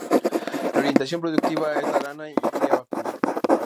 La orientación productiva es la lana y cría vacuna.